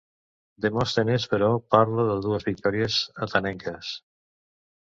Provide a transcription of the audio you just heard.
Demòstenes però parla de dues victòries atenenques.